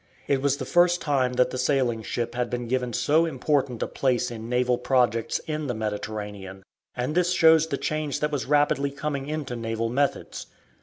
It was the first time that the sailing ship had been given so important a place in naval projects in the Mediterranean, and this shows the change that was rapidly coming into naval methods.